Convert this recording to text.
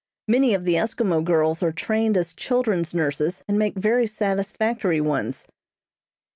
Many of the Eskimo girls are trained as children's nurses and make very satisfactory ones.